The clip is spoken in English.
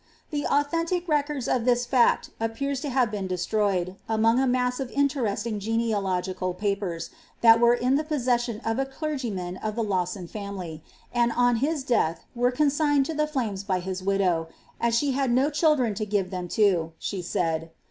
The authentic records of this fact appear to have been destroyed, among a mass of interesting genealogical papers, that were in the possession of a clei; gyman of the Lawson family, and on his death were consigned to the flames by his widow, ^ as she had no children to give them to,'' she said.